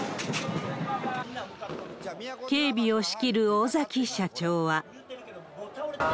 警備を仕切る尾崎社長は。